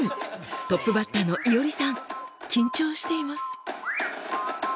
トップバッターのいおりさん緊張しています。